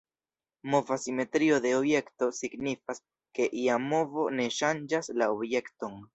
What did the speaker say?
Mova simetrio de objekto signifas, ke ia movo ne ŝanĝas la objekton.